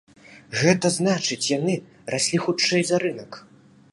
Гэта значыць, яны раслі хутчэй за рынак.